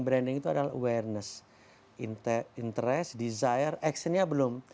branding itu adalah awareness interest desire action nya belum